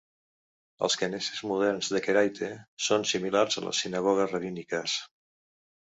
Els keneses moderns de Karaite són similars a les sinagogues rabíniques.